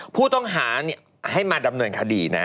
ผู้ต้องหาให้มาดำเนินคดีนะ